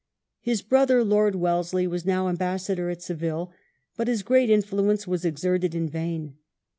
His brother Lord Wellesley was now ambassador at Seville, but his great influence was exerted in vain.